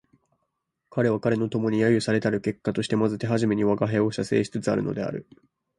彼は彼の友に揶揄せられたる結果としてまず手初めに吾輩を写生しつつあるのである